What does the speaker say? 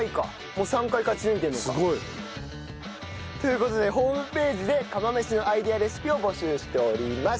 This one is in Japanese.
もう３回勝ち抜いてるのか。という事でホームページで釜飯のアイデアレシピを募集しております。